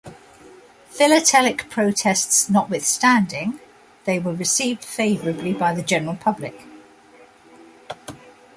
Philatelic protests notwithstanding, they were received favorably by the general public.